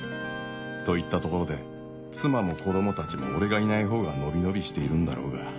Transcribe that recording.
と言ったところで妻も子供たちも俺がいないほうが伸び伸びしているんだろうが